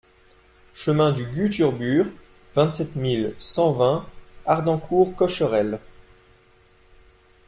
Chemin du Gue Turbure, vingt-sept mille cent vingt Hardencourt-Cocherel